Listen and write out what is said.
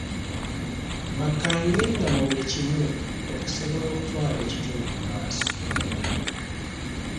Bakkaanyenga mu buli kimu okusobola okutwala ekitundu mu maaso.